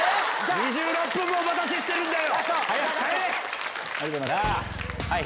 ２６分もお待たせしてるんだよ！